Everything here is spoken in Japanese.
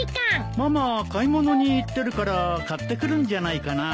ママ買い物に行ってるから買ってくるんじゃないかな？